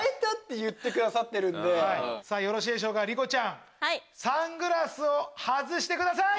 よろしいでしょうか莉子ちゃんサングラスを外してください！